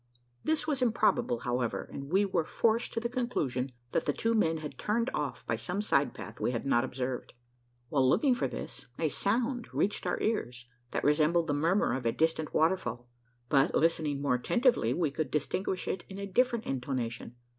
This was improbable, however; and we were forced to the conclusion, that the two men had turned off, by some side path we had not observed. While looking for this, a sound reached our ears, that resembled the murmur of a distant waterfall; but, listening more attentively, we could distinguish in it a different intonation.